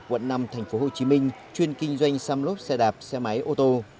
quận năm tp hcm chuyên kinh doanh xăm lốp xe đạp xe máy ô tô